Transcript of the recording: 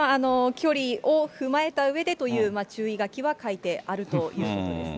距離を踏まえたうえでという注意書きは書いてあるということです